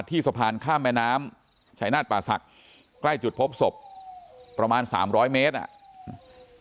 ที่สะพานข้ามแม่น้ำชายนาฏป่าศักดิ์ใกล้จุดพบศพประมาณ๓๐๐เมตร